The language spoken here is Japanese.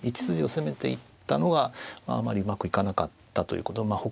１筋を攻めていったのがあまりうまくいかなかったということで。